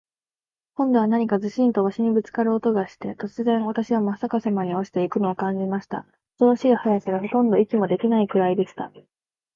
今度は何かズシンと鷲にぶっつかる音がして、突然、私はまっ逆さまに落ちて行くのを感じました。恐ろしい速さで、ほとんど息もできないくらいでした。